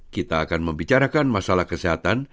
kita akan membicarakan masalah kesehatan